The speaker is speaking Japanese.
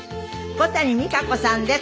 小谷実可子さんです。